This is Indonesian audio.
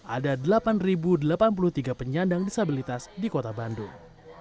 ada delapan delapan puluh tiga penyandang disabilitas di kota bandung